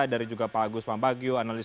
dari juga pak agus pambagio analis